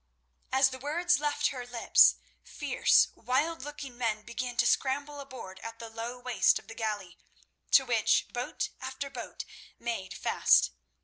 As the words left her lips fierce, wild looking men began to scramble aboard at the low waist of the galley, to which boat after boat made fast.